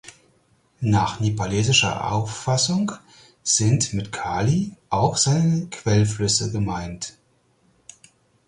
Nach nepalesischer Auffassung sind mit "Kali" auch seine Quellflüsse gemeint.